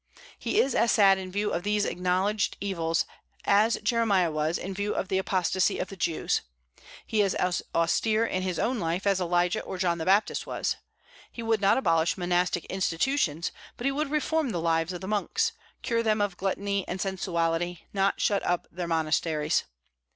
He is as sad in view of these acknowledged evils as Jeremiah was in view of the apostasy of the Jews; he is as austere in his own life as Elijah or John the Baptist was. He would not abolish monastic institutions, but he would reform the lives of the monks, cure them of gluttony and sensuality, not shut up their monasteries.